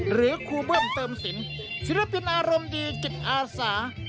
หรือครูเบิ้มเติมสินศิลปินอารมณ์ดีจิตอาสา